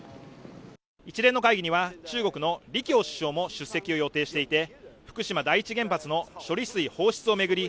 一連の会議には中国の李強首相も出席を予定していて福島第一原発の処理水放出を巡り